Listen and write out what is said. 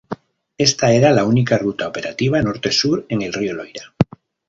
Esta era la única ruta operativa norte-sur en el río Loira.